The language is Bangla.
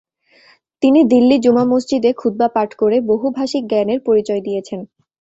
তিনি দিল্লি জুমা মসজিদে খুতবা পাঠ করে বহুভাষীক জ্ঞানের পরিচয় দিয়েছেন।